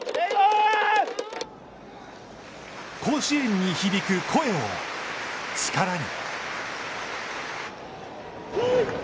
甲子園に響く声を力に。